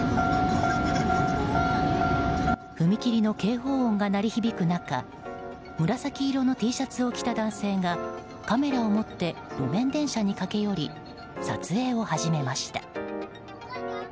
踏切の警報音が鳴り響く中紫色のＴシャツを着た男性がカメラを持って路面電車に駆け寄り撮影を始めました。